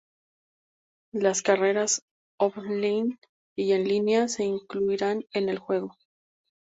Las carreras offline y en línea se incluirán en el juego.